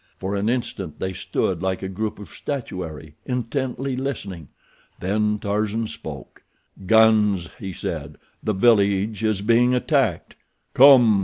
For an instant they stood like a group of statuary, intently listening. Then Tarzan spoke. "Guns!" he said. "The village is being attacked." "Come!"